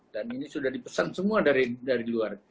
dan ini sudah di pesan semua dari luar